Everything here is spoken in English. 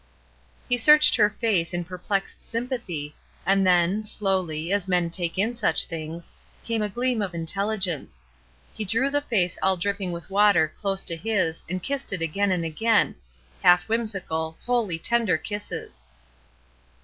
He searched her face in perplexed sympathy, and then, slowly, as men take in such things, came a gleam of intelligence; he drew the face all dripping with water close to his and kissed it again and again — half whimsical, wholly tender kisses.